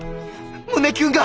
胸キュンが！